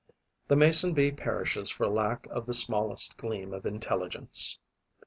The Mason bee perishes for lack of the smallest gleam of intelligence.